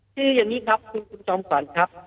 คืออย่างนี้ครับคุณจอมขวัญครับ